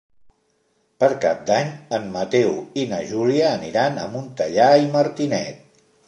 Per Cap d'Any en Mateu i na Júlia aniran a Montellà i Martinet.